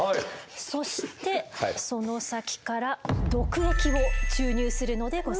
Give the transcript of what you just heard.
そしてその先から毒液を注入するのでございます。